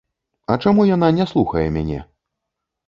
А чаму яна не слухае мяне?